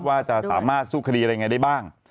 ว่าจะสามารถสู้คดีอะไรยังไงได้บ้าง